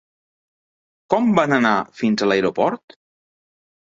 Com van anar fins a l'aeroport?